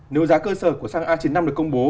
nếu giá cơ sở của xăng a chín mươi năm được công bố